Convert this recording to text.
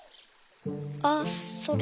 あっそれ。